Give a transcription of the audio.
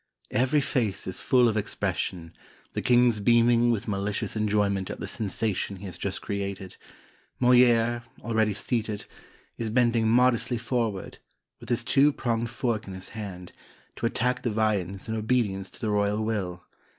"Every face is full of expression, the king's beaming with malicious enjoyment at the sensation he has just created; Moliere, already seated, is bending modestly forward, with his two pronged fork in his hand, to attack the viands in obedience to the royal will.